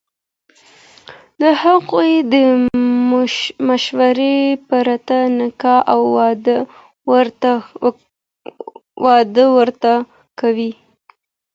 د هغوی د مشورې پرته نکاح او واده ورته کوي،